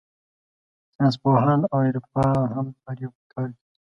ساینسپوهان او عرفا هم پرې کار کوي.